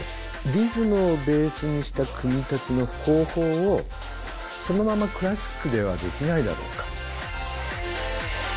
リズムをベースにした組み立ての方法をそのままクラシックではできないだろうか？